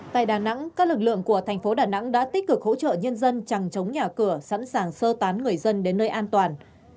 tại đà nẵng các lực lượng của thành phố đà nẵng đã tích cực hỗ trợ nhân dân chẳng chống nhà cửa sẵn sàng sơ tán người dân đến nơi an toàn